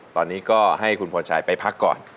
ตอนนี้ก็ให้คุณพรชัยไปพักก่อน